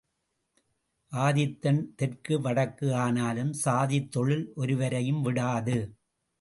ஆதித்தன் தெற்கு வடக்கு ஆனாலும் சாதித்தொழில் ஒருவரையும் விடாது.